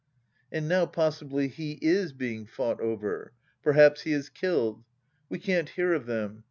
.. And now possibly he is being fought over. Perhaps he is killed ? We can't hear of them.